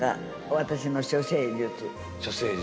私の処世術。